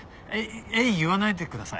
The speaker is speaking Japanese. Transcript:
言わないでください。